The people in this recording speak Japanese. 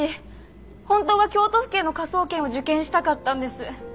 本当は京都府警の科捜研を受験したかったんです。